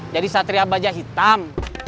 jadi satria bajah hitam